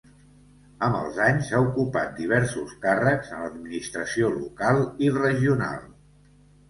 Amb els anys ha ocupat diversos càrrecs en l'administració local i regional.